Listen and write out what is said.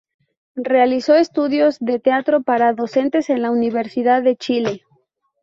Realizó estudios de teatro para docentes en la Universidad de Chile.